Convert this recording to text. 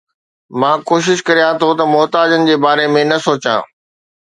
مان ڪوشش ڪريان ٿو محتاجن جي باري ۾ نه سوچان